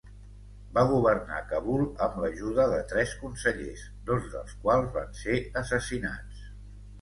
Va governar Kabul amb l'ajuda de tres consellers, dos dels quals van ser assassinats.